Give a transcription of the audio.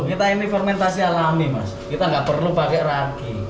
kita ini fermentasi alami mas kita nggak perlu pakai ragi